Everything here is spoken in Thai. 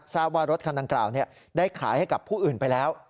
ทราบว่ารถคันดังกล่าวได้ขายให้กับผู้อื่นไปแล้ว